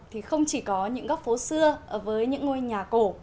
thì không chỉ có những góc phố xưa với những ngôi nhà cổ